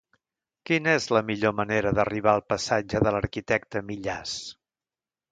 Quina és la millor manera d'arribar al passatge de l'Arquitecte Millàs?